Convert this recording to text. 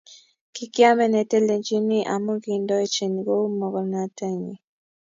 Kikiame netelechini amu kiindochin kou mogornotenyi